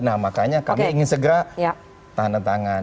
nah makanya kami ingin segera tahanan tangan